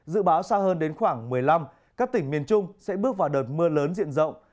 dự báo xa hơn đến khoảng một mươi năm các tỉnh miền trung sẽ bước vào đợt mưa lớn diện rộng